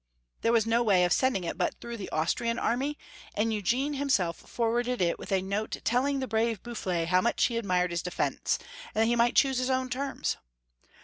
There was no way of sending it but through the Austrian army, and Eugene himself forwarded it with a note tell ing the brave Boufflers how much he admired his defence, and that he might choose his own terms.